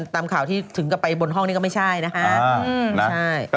ตามข่าวที่ถึงกลับไปบนห้องนี่ก็ไม่ใช่นะฮะ